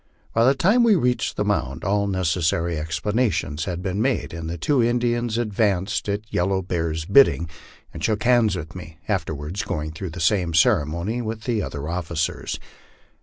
By the time we reached the mound all nec essary explanations had been made, and the two Indians advanced at Yellow 220 MY LIFE ON THE PLAINS. Bear's bidding and shook hands with me, afterward going through the same ceremony with the other officers.